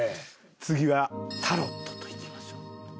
次はタロットといきましょう。